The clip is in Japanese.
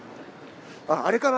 あっあれかな？